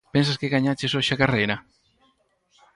Pensas que gañaches hoxe a carreira?